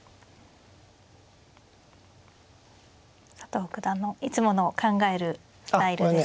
佐藤九段のいつもの考えるスタイルですね。